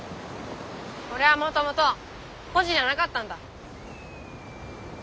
俺はもともと孤児じゃなかったんだ。